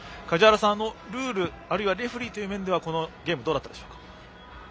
梶原さん、ルール、あるいはレフリーという面ではこのゲームどうだったでしょうか。